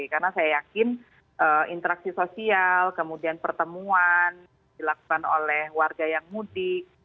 karena saya yakin interaksi sosial kemudian pertemuan dilakukan oleh warga yang mudik